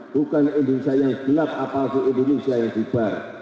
bukan indonesia yang gelap atau indonesia yang dibar